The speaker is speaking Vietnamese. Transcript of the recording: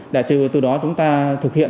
để từ đó chúng ta thực hiện